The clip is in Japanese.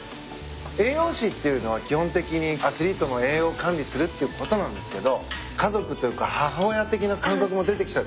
栄養士っていうのは基本的にアスリートの栄養を管理するっていうことなんですけど家族というか母親的な感覚も出てきたり。